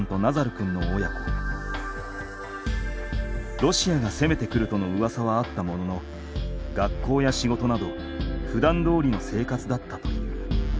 ロシアが攻めてくるとのうわさはあったものの学校や仕事などふだんどおりの生活だったという。